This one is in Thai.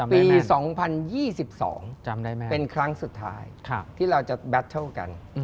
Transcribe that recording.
ปี๒๐๒๒เป็นครั้งสุดท้ายที่เราจะแบตเทิลกัน